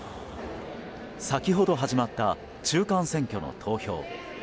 先ほど始まった中間選挙の投票。